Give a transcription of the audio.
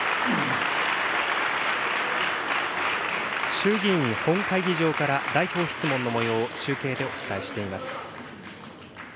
衆議院本会議場から代表質問のもようを中継でお伝えしています。